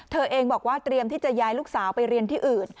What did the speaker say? เธอเองบอกว่าเตรียมที่จะย้ายลูกสาวไปเรียนที่อื่น